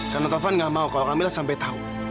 karena taufan nggak mau kalau kamila sampai tahu